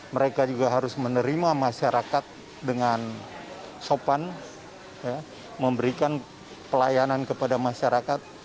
mereka juga harus menerima masyarakat dengan sopan memberikan pelayanan kepada masyarakat